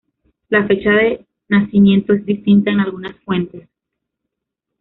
La fecha de nacimiento es distinta en algunas fuentes.